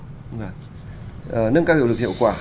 nâng cao hiệu lực hiệu quả